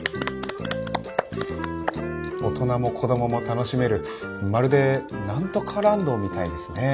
大人も子どもも楽しめるまるで何とかランドみたいですね。